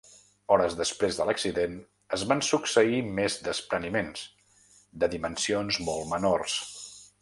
Hores després de l’accident, es van succeir més despreniments, de dimensions molt menors.